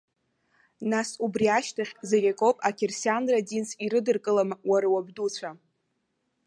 Нас убри ашьҭахь, зегь акоуп ақьырсианра динс ирыдыркылама уара уабдуцәа?